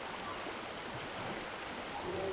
Una disposición similar existe en Ucrania.